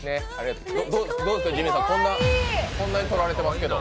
どうですか、こんなに撮られてますけど。